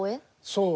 そう。